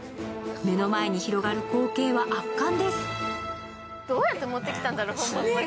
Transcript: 目の前に広がる光景は圧巻です。